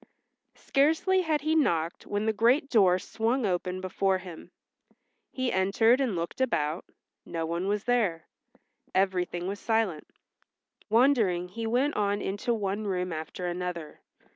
Scarcely had he knocked when the great door swung open before him. He entered and looked about, no one was there; everything was silent. Wondering he went on into one room after another.